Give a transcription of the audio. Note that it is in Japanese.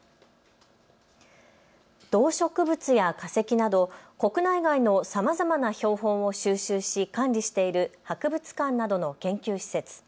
動植物や化石など国内外のさまざまな標本を収集し管理している博物館などの研究施設。